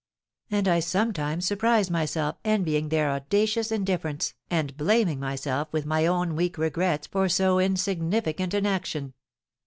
And I sometimes surprise myself envying their audacious indifference, and blaming myself with my own weak regrets for so insignificant an action."